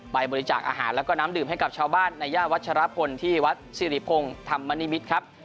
บริจาคอาหารแล้วก็น้ำดื่มให้กับชาวบ้านในย่านวัชรพลที่วัดสิริพงศ์ธรรมนิมิตรครับ